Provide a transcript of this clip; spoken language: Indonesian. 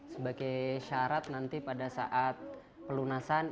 sebagai syarat nanti pada saat pelunasan